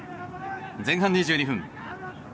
前半２２分。